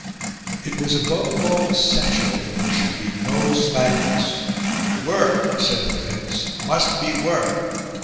It was above all essential that there should be no slackness: "Work," said the Prince, "must be work."